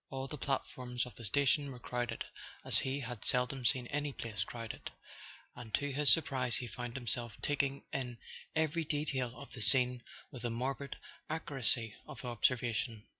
All the platforms of the station were crowded as he had seldom seen any place crowded, and to his sur¬ prise he found himself taking in every detail of the scene with a morbid accuracy of observation.